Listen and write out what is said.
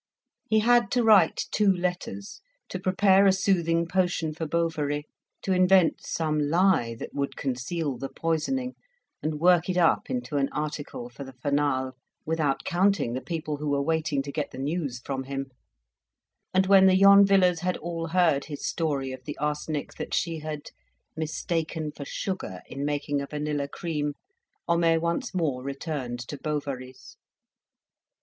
He had to write two letters, to prepare a soothing potion for Bovary, to invent some lie that would conceal the poisoning, and work it up into an article for the "Fanal," without counting the people who were waiting to get the news from him; and when the Yonvillers had all heard his story of the arsenic that she had mistaken for sugar in making a vanilla cream. Homais once more returned to Bovary's.